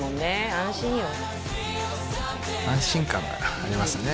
安心よ安心感がありますね